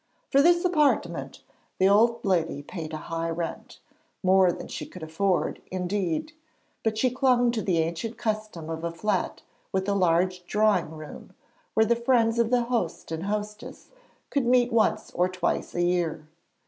For this 'appartement' the old lady paid a high rent more than she could afford, indeed; but she clung to the ancient custom of a flat with a large drawing room, where the friends of the host and hostess could meet once or twice a year.